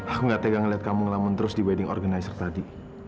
aku gak tega ngeliat kamu ngelamin terus di wedding organizer tadi